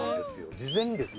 事前にですね